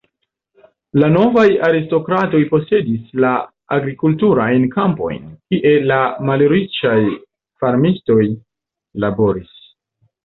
La novaj aristokratoj posedis la agrikulturajn kampojn, kie la malriĉaj farmistoj laboris.